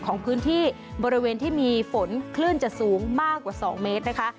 ของพื้นที่บริเวณที่มีฝนคลื่นจะสูงมากกว่า๒เมตรนะคะ